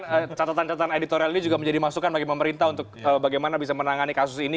karena catatan catatan editorial ini juga menjadi masukan bagi pemerintah untuk bagaimana bisa menangani kasus ini